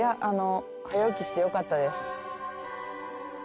早起きしてよかったです。